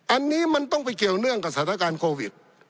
อันนี้มันต้องไปเกี่ยวเนื่องกับสถานการณ์โควิด